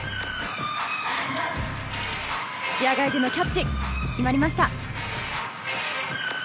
視野外でのキャッチ、決まりました。